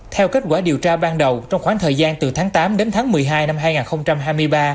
theo kết quả điều tra ban đầu trong khoảng thời gian từ tháng tám đến tháng một mươi hai năm hai nghìn hai mươi ba